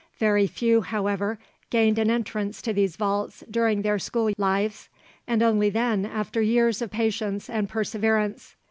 Very few, however, gained an entrance to these vaults during their school lives, and only then after years of patience and perseverance.